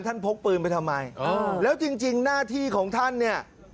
ท่านพกปืนไปทำไมอ๋อแล้วจริงจริงหน้าที่ของท่านเนี้ย